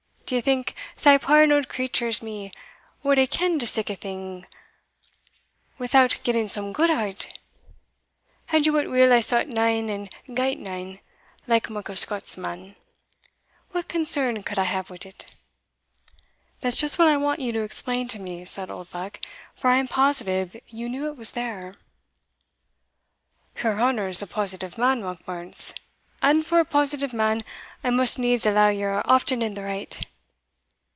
d'ye think sae puir an auld creature as me wad hae kend o' sic a like thing without getting some gude out o't? and ye wot weel I sought nane and gat nane, like Michael Scott's man. What concern could I hae wi't?" "That's just what I want you to explain to me," said Oldbuck; "for I am positive you knew it was there." "Your honour's a positive man, Monkbarns and, for a positive man, I must needs allow ye're often in the right."